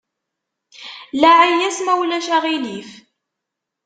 Laɛi-yas ma ulac aɣilif.